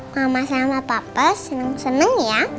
mama sama papa seneng seneng ya